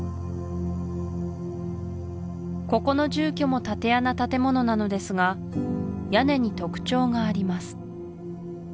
ここの住居も竪穴建物なのですが屋根に特徴があります